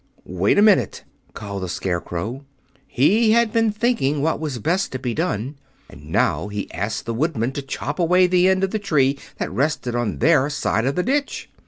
"Wait a minute!" called the Scarecrow. He had been thinking what was best to be done, and now he asked the Woodman to chop away the end of the tree that rested on their side of the ditch.